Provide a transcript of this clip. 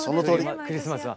クリスマスは。